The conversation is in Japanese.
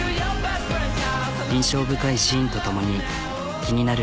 印象深いシーンと共に気になる